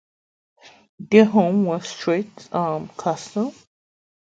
Their home was Creich Castle.